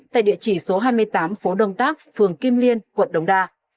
tại địa chỉ số hai mươi tám phố đông tác phường kim liên quận đồng đa